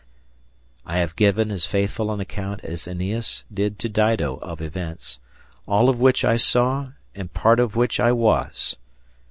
I have given as faithful an account as Æneas did to Dido of events all of which I saw and part of which I was.